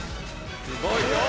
すごいよ。